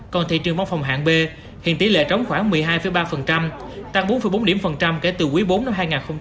còn thị trường văn phòng hạng b hiện tỷ lệ trống khoảng một mươi hai ba tăng bốn bốn kể từ quý iv năm hai nghìn hai mươi hai